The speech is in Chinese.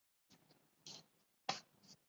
县名来自英国切斯特。